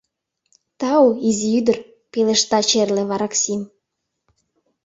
— Тау, изи ӱдыр! — пелешта черле вараксим.